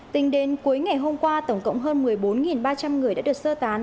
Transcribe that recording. tính đến cuối ngày hôm qua tổng cộng hơn một mươi bốn ba trăm linh người đã được sơ tán